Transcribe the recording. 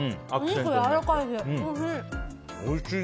お肉、やわらかいし、おいしい。